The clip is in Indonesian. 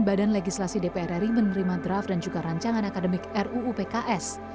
badan legislasi dpr ri menerima draft dan juga rancangan akademik ruu pks